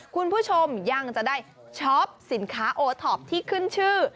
คุณผู้ชมยังจะได้ช็อปสินค้าโอท็อปที่ขึ้นชื่อ